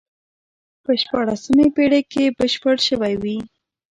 په شپاړسمې پېړۍ کې بشپړ شوی وي.